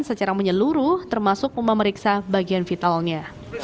secara menyeluruh termasuk memeriksa bagian vitalnya